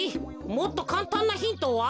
もっとかんたんなヒントは？